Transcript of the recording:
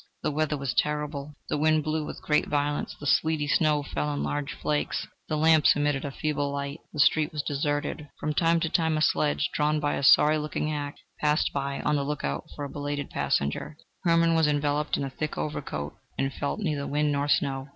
The weather was terrible; the wind blew with great violence; the sleety snow fell in large flakes; the lamps emitted a feeble light, the streets were deserted; from time to time a sledge, drawn by a sorry looking hack, passed by, on the look out for a belated passenger. Hermann was enveloped in a thick overcoat, and felt neither wind nor snow.